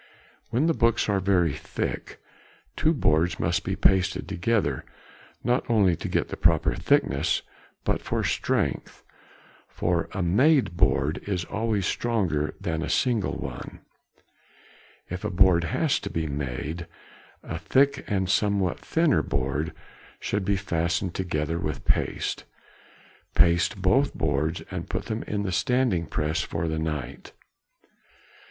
When the books are very thick, two boards must be pasted together, not only to get the proper thickness, but for strength, for a made board is always stronger than a single one. If a board has to be made, a thick and a somewhat thinner board should be fastened together with paste. Paste both boards and put them in the standing press for the night.